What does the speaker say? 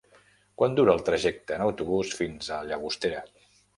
Quant dura el trajecte en autobús fins a Llagostera?